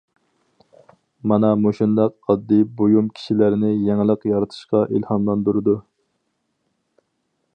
مانا مۇشۇنداق ئاددىي بۇيۇم كىشىلەرنى يېڭىلىق يارىتىشقا ئىلھاملاندۇرىدۇ.